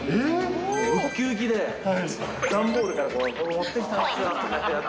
うきうきで、段ボールから、持ってきたんですよとかやって。